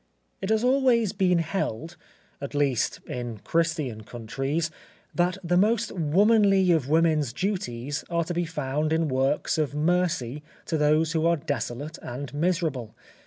It has always been held—at least, in Christian countries—that the most womanly of women's duties are to be found in works of mercy to those who are desolate and miserable.